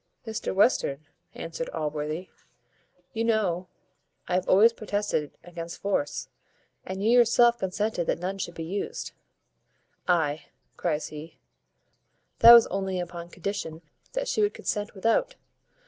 "Mr Western," answered Allworthy, "you know I have always protested against force, and you yourself consented that none should be used." "Ay," cries he, "that was only upon condition that she would consent without.